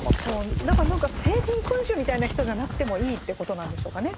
何か聖人君子みたいな人じゃなくてもいいっていうことなんでしょうかね。